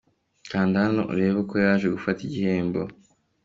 Kanda hano urebe uko yaje gufata igihembo